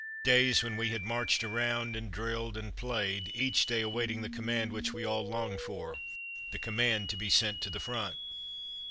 Days when we had marched around and drilled and played; each day awaiting the command which we all longed for — the command to be sent to the front